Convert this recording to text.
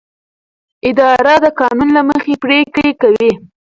اداره د قانون له مخې پریکړې کوي.